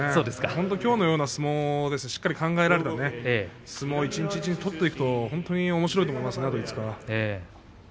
きょうのような相撲しっかり考えられた相撲を一日一日取っていくと本当にあと５日おもしろいと思います。